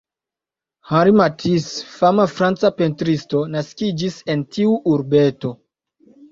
Henri Matisse, fama franca pentristo, naskiĝis en tiu urbeto.